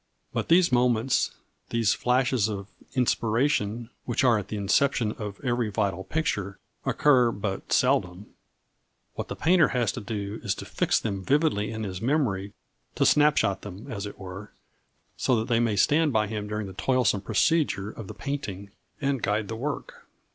But these moments, these flashes of inspiration which are at the inception of every vital picture, occur but seldom. What the painter has to do is to fix them vividly in his memory, to snapshot them, as it were, so that they may stand by him during the toilsome procedure of the painting, and guide the work.